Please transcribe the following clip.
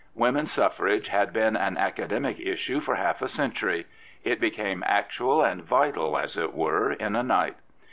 Women's suffrage had been an academic issue for half a century: it became actual and vital, as it were, in a night.